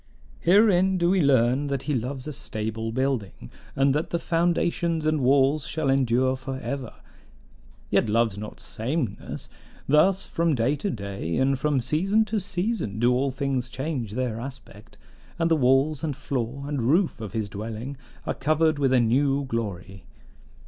Herein do we learn that he loves a stable building, and that the foundations and walls shall endure for ever: yet loves not sameness; thus, from day to day and from season to season do all things change their aspect, and the walls and floor and roof of his dwelling are covered with a new glory.